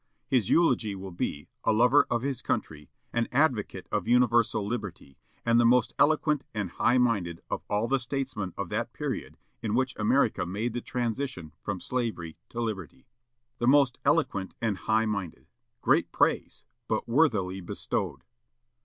His eulogy will be, a lover of his country, an advocate of universal liberty, and the most eloquent and high minded of all the statesmen of that period in which America made the transition from slavery to liberty." "The most eloquent and high minded." Great praise, but worthily bestowed!